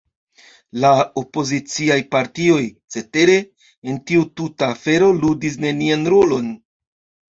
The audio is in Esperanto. La opoziciaj partioj, cetere, en tiu tuta afero ludis nenian rolon.